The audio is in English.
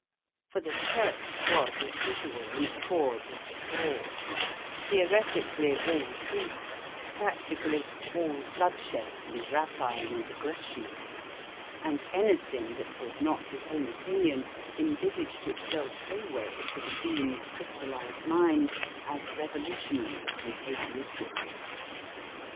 For the Church was as usual in accord with the sword; theoretically all peace, practically all bloodshed and rapine and aggression: and anything that was not his own opinion envisaged itself always to the Dean's crystallised mind as revolutionary and atheistic.